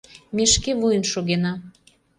Ме шке вуйын шогена.